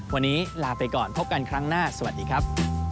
วันนี้ลาไปก่อนพบกันครั้งหน้าสวัสดีครับ